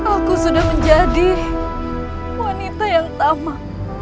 aku sudah menjadi wanita yang tama